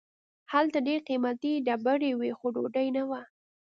هلته ډیر قیمتي ډبرې وې خو ډوډۍ نه وه.